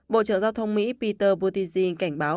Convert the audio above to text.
bộ trưởng giao thông mỹ peter buttigieg cảnh báo